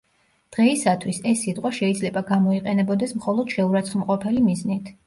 დღეისათვის, ეს სიტყვა შეიძლება გამოიყენებოდეს მხოლოდ შეურაცხმყოფელი მიზნით.